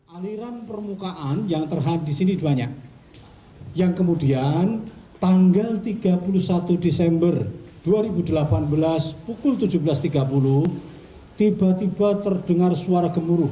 aliran permukaan yang terhad di sini banyak yang kemudian tanggal tiga puluh satu desember dua ribu delapan belas pukul tujuh belas tiga puluh tiba tiba terdengar suara gemuruh